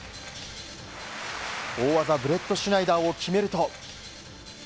大技ブレットシュナイダーを決めると。